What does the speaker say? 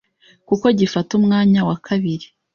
kuko gifata umwanya wa kabiri